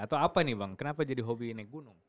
atau apa nih bang kenapa jadi hobi naik gunung